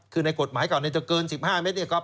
คือในกฎหมายเกิน๑๕เมตร